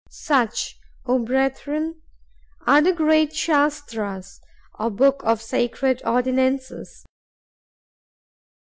Such, O brethren, are the Great Shastras, or books of sacred ordinances.